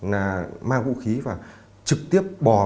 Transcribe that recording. là mang vũ khí và trực tiếp bò vào tận lơi